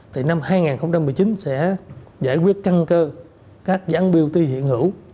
thì năm hai nghìn một mươi chín sẽ giải quyết căn cơ các giãn biểu tư hiện hữu